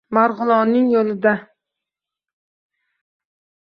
…Margʼilonning yoʼlida